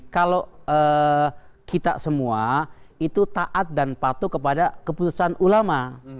kalau kita semua itu taat dan patuh kepada keputusan ulama